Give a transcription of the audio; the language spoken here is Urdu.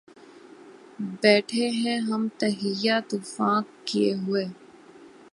بیٹهے ہیں ہم تہیّہ طوفاں کئے ہوئے